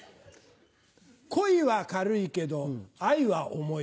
恋は軽いけど愛は重い。